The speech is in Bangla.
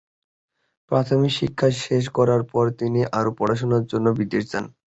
প্রাথমিক শিক্ষা শেষ করার পর তিনি আরও পড়াশোনার জন্য বিদেশে যান।